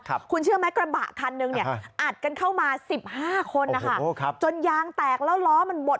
คุณเชื่อไหมกระบะคันนึงเนี่ยอัดกันเข้ามา๑๕คนจนยางแตกแล้วล้อมันหมด